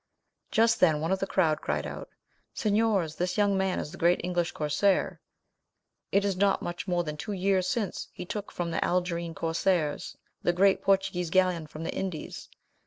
Just then one of the crowd cried out, "Señors, this young man is the great English corsair. It is not much more than two years since he took from the Algerine corsairs the great Portuguese galleon from the Indies.